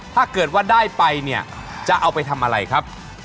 ถ้าเกิดว่าได้ไปเนี่ยจะเอาไปทำอะไรครับ